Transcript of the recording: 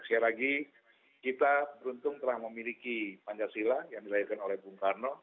sekali lagi kita beruntung telah memiliki pancasila yang dilahirkan oleh bung karno